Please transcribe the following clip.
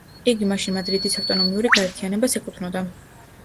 იგი მაშინ მადრიდის ავტონომიური გაერთიანებას ეკუთვნოდა.